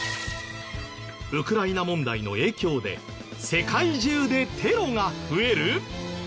ウクライナ問題の影響で世界中でテロが増える！？